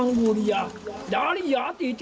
ดวงกุธภาพน้ำเต็มยินมานไกล